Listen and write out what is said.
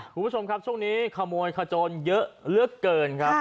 คุณผู้ชมครับช่วงนี้ขโมยขโจรเยอะเหลือเกินครับ